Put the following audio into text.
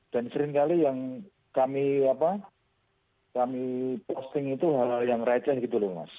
dan seringkali yang kami posting itu hal hal yang receh gitu loh mas